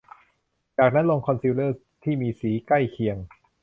จากนั้นลงคอนซีลเลอร์ที่มีสีใกล้เคียง